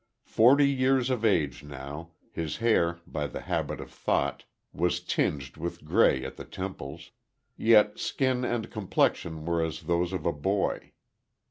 Forty years of age now, his hair, by the habit of thought, was tinged with gray at the temples; yet skin and complexion were as those of a boy.